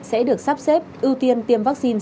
sẽ được sắp xếp ưu tiên tiêm vaccine